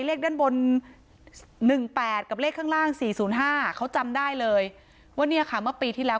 เลขด้านบน๑๘กับเลขข้างล่าง๔๐๕เขาจำได้เลยว่าเนี่ยค่ะเมื่อปีที่แล้ว